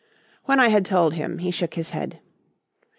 When I had told him, he shook his head.